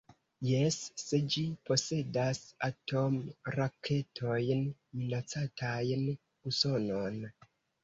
Jes, se ĝi posedas atomraketojn minacantajn Usonon.